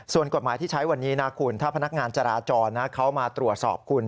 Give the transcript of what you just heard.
ส่วนกฎหมายที่ใช้วันนี้นะคุณถ้าพนักงานจราจรเขามาตรวจสอบคุณ